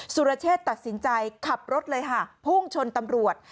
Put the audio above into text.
สุรเชษตัดสินใจขับรถเลยค่ะพุ่งชนตำรวจ